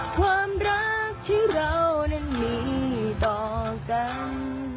ความรักที่เรานั้นมีต่อกัน